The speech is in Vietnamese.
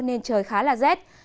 nên trời khá là rét